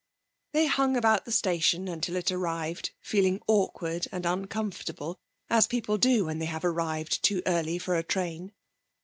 They hung about the station until it arrived, feeling awkward and uncomfortable, as people do when they have arrived too early for a train.